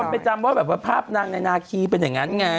มันไม่จำกับภาพนางนาคีเป็นอย่างนั้นไง